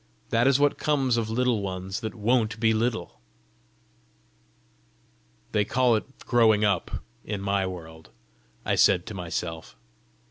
"That is what comes of Little Ones that WON'T be little!" "They call it growing up in my world!" I said to myself.